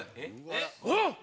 ・あっ！